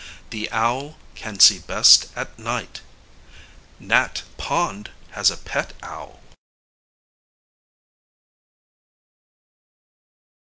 The owl can see best at night. Nat Pond has a pet owl.